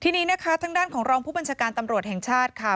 ทีนี้นะคะทางด้านของรองผู้บัญชาการตำรวจแห่งชาติค่ะ